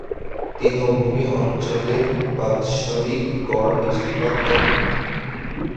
তৃণভূমি অঞ্চলের বাৎসরিক গড় বৃষ্টিপাত কত?